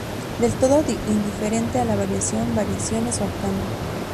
del todo indiferente a la variación, variaciones, o al cambio